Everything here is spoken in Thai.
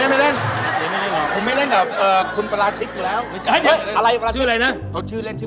หนูไม่เล่นมุกแบบนี้